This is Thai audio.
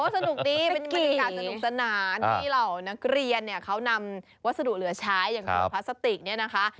สนุกดีเป็นบรรยากาศสนุกสนานที่เหล่านักเรียนเนี่ยเขานำวัสดุเหลือใช้อย่างถุงพลาสติกเนี่ยนะคะ